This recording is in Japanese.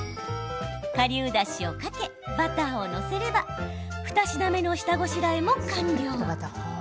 かりゅうだしをかけバターを載せれば２品目の下ごしらえも完了。